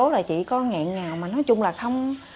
mà chỉ là ngỡ là mình đang mơ thôi